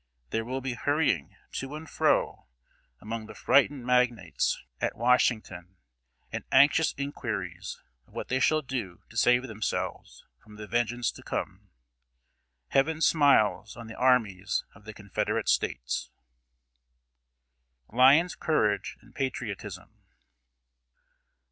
there will be hurrying to and fro among the frightened magnates at Washington, and anxious inquiries of what they shall do to save themselves from the vengeance to come. Heaven smiles on the armies of the Confederate States." [Sidenote: LYON'S COURAGE AND PATRIOTISM.